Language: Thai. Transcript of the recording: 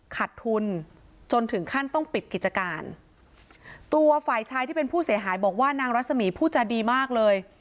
ขาดทุนจนถึงขั้นต้องปิดกิจการตัวฝ่ายชายที่เป็นผู้เสียหายบอกว่านางรัศมีผู้จาดีมากเลย